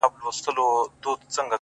دا مه وايه چي ژوند تر مرگ ښه دی،